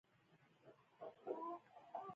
د کوټې له کړکۍ مې مسجدالحرام ته وکتل.